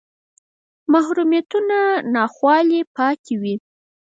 محرومیتونه ناخوالې پاتې وې